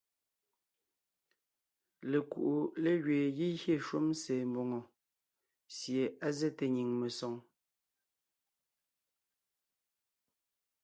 Lekuʼu légẅeen gígyé shúm se mbòŋo sie á zɛ́te nyìŋ mesoŋ.